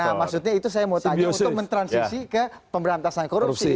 nah maksudnya itu saya mau tanya untuk mentransisi ke pemberantasan korupsi